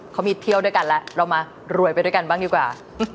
เขามีเที่ยวด้วยกันแล้วเรามารวยไปด้วยกันบ้างดีกว่า